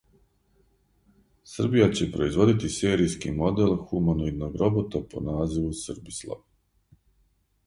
Србија ће производити сериски модел хуманоидног робота по називу СРБИСЛАВ!